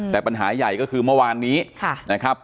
แต่ปัญหาใหญ่ก็คือเมื่อวานนี้นะครับ